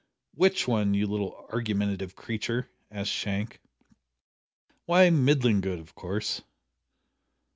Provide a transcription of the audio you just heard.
"Which one, you little argumentative creature?" asked Shank. "Why, middling good of course."